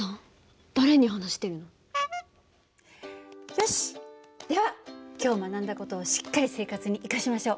よしでは今日学んだ事をしっかり生活に生かしましょう。